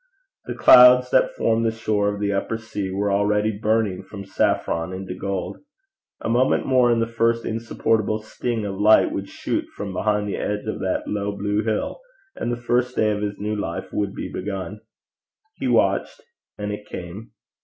The clouds that formed the shore of the upper sea were already burning from saffron into gold. A moment more and the first insupportable sting of light would shoot from behind the edge of that low blue hill, and the first day of his new life would be begun. He watched, and it came.